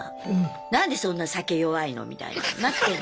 何でそんな酒弱いのみたいになってんの。